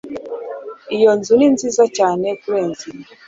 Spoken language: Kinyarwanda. Iyo nzu ni nziza cyane kurenza iyi